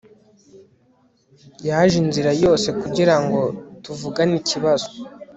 yaje inzira yose kugirango tuvugane ikibazo